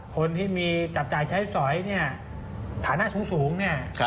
คนที่มีจับจ่ายใช้สอยเนี่ยฐานะสูงเนี่ย